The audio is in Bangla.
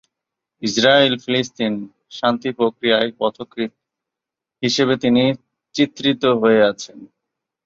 ইসরায়েল-ফিলিস্তিন শান্তি প্রক্রিয়ার পথিকৃৎ হিসেবে তিনি চিত্রিত হয়ে আছেন।